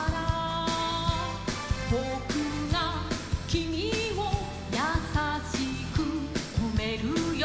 「ぼくがキミをやさしくとめるよ」